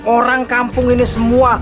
orang kampung ini semua